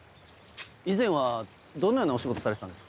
以前はどのようなお仕事をされてたんですか？